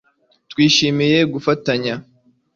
Twishimiye gufatanya